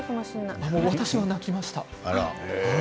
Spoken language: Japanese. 私も泣きました。